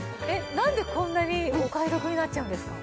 なんでこんなにお買い得になっちゃうんですか？